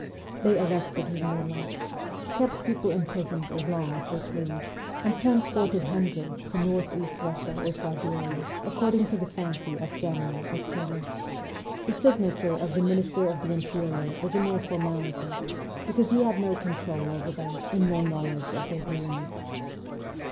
They arrested whom they liked, kept people imprisoned as long as they pleased, and transported hundreds to North east Eussia or Siberia according to the fancy of general or colonel ; the signature of the Minister of the Interior was a mere formality, because he had no control over them and no knowledge of their doings.